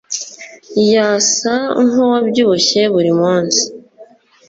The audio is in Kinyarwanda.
yasa nkuwabyibushye burimunsi.